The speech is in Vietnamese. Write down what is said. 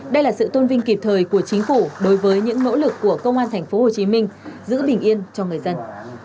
đây là sự tôn vinh kịp thời của chính phủ đối với những nỗ lực của công an tp hcm giữ bình yên cho người dân